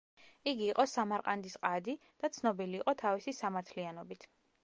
იგი იყო სამარყანდის ყადი და ცნობილი იყო თავისი სამართლიანობით.